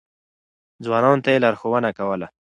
ځوانانو ته يې لارښوونه کوله.